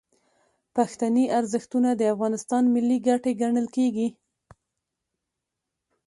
پښتني ارزښتونه د افغانستان ملي ګټې ګڼل کیږي.